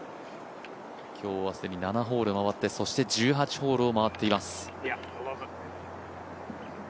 今日は既に７ホール回って、そして１８ホールを回っています。